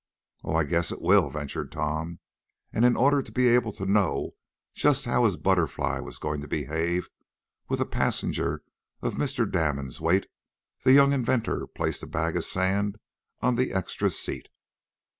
"Oh, I guess it will," ventured Tom, and in order to be able to know just how his BUTTERFLY was going to behave, with a passenger of Mr. Damon's weight, the young inventor placed a bag of sand on the extra seat.